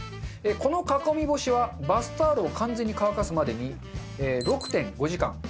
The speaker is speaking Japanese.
この囲み干しはバスタオルを完全に乾かすまでに６．５時間。